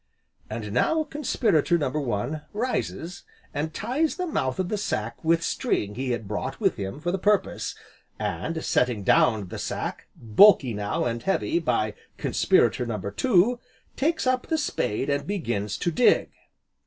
And now Conspirator No. One rises, and ties the mouth of the sack with string he had brought with him for the purpose, and setting down the sack, bulky now and heavy, by Conspirator No. Two, takes up the spade and begins to dig.